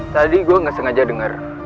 tadi gue gak sengaja dengar